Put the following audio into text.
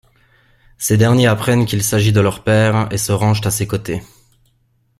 Ces derniers apprennent qu'il s'agit de leur père et se rangent à ses côtés.